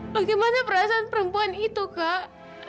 bagaimana perasaan perempuan itu kak